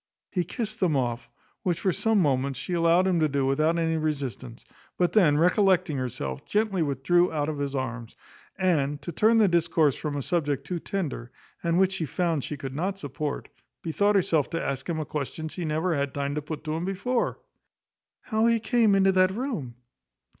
He kissed them off, which, for some moments, she allowed him to do without any resistance; but then recollecting herself, gently withdrew out of his arms; and, to turn the discourse from a subject too tender, and which she found she could not support, bethought herself to ask him a question she never had time to put to him before, "How he came into that room?"